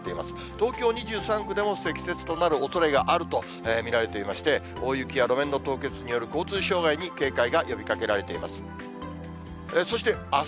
東京２３区でも積雪となるおそれがあると見られていまして、大雪や路面の凍結による交通障害に警戒が呼びかけられています。